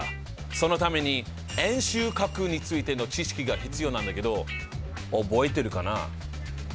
そのために円周角についての知識が必要なんだけど覚えてるかな？